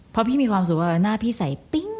เพราะพี่มีความสุขว่าหน้าพี่ใส่ปิ๊ง